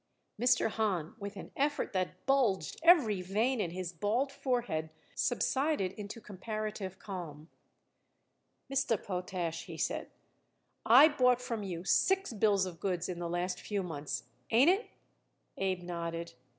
Mr. Hahn, with an effort that bulged every vein in his bald forehead, subsided into comparative calm. "Mr. Potash," he said, "I bought from you six bills of goods in the last few months. Ain't it?" Abe nodded.